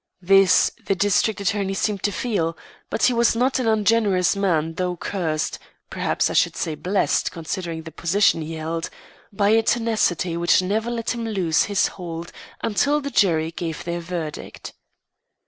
This the district attorney seemed to feel; but he was not an ungenerous man though cursed (perhaps, I should say blessed, considering the position he held) by a tenacity which never let him lose his hold until the jury gave their verdict.